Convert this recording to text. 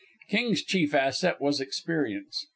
King's chief asset was experience.